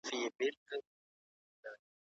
په لار کې اغزي لرې کړئ.